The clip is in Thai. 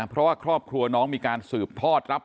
เพราะว่าครอบครัวน้องมีการสืบทอดรับ